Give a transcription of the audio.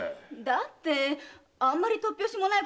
だってあんまり突拍子もないから。